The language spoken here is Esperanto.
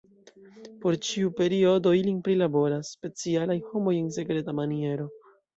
Por ĉiu periodo ilin prilaboras specialaj homoj en sekreta maniero.